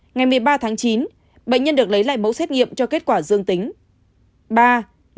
ngày một mươi ba tháng chín bệnh nhân được lấy lại mẫu xét nghiệm cho kết quả dương tính